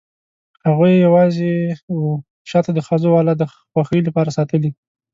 هغوی یې یوازې وه شاته د خزهوالو د خوښۍ لپاره ساتلي.